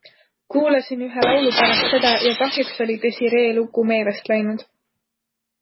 Kuulasin ühe laulu pärast seda ja kahjuks oli Desiree lugu meelest läinud.